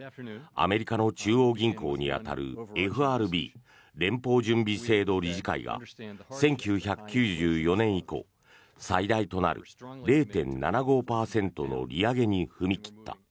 アメリカの中央銀行に当たるＦＲＢ・連邦準備制度理事会が１９９４年以降最大となる０．７５％の利上げに踏み切った。